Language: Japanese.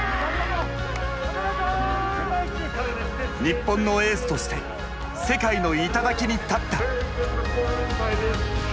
日本のエースとして世界の頂に立った。